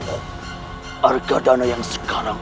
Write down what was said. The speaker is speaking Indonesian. harga dana yang sekarang